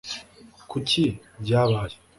kuki byabaye